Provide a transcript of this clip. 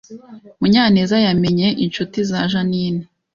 Munyaneza yamenye inshuti za Jeaninne